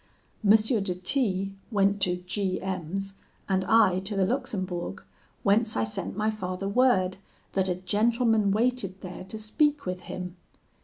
M. de T went to G M 's, and I to the Luxembourg, whence I sent my father word, that a gentleman waited there to speak with him.